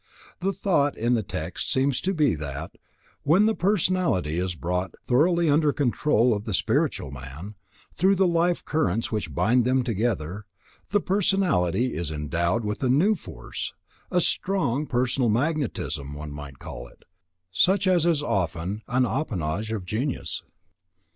The thought in the text seems to be, that, when the personality is brought thoroughly under control of the spiritual man, through the life currents which bind them together, the personality is endowed with a new force, a strong personal magnetism, one might call it, such as is often an appanage of genius.